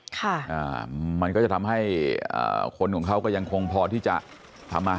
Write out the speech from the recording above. ค่ะอ่ามันก็จะทำให้อ่าคนของเขาก็ยังคงพอที่จะทำมา